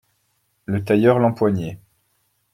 Le tailleur l'empoignait.